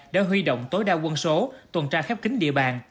đã huy động tối đa quân số tuần tra khép kính địa bàn